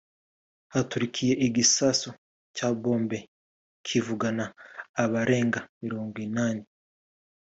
haturikiye igisasu cya bombe kivugana abarenga mirongo inani